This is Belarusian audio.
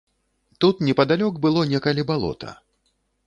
Тут непадалёк было некалі балота.